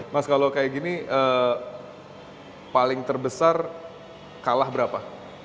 mas kalau kayak gini paling terbesar kalah berapa